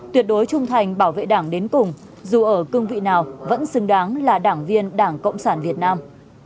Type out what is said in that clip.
tuyệt đối trung thành bảo vệ đảng đến cùng dù ở cương vị nào vẫn xứng đáng là đảng viên đảng cộng sản việt nam